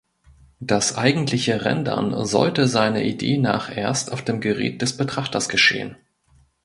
Das eigentliche Rendern sollte seiner Idee nach erst auf dem Gerät des Betrachters geschehen.